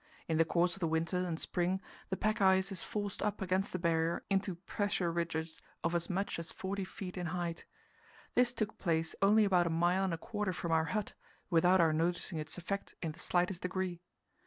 In the course of the winter and spring the pack ice is forced up against the Barrier into pressure ridges of as much as 40 feet in height. This took place only about a mile and a quarter from our hut, without our noticing its effect in the slightest degree.